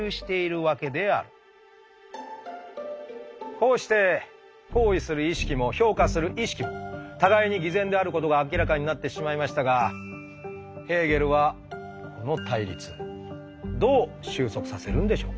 こうして行為する意識も評価する意識も互いに偽善であることが明らかになってしまいましたがヘーゲルはこの対立どう収束させるんでしょうか？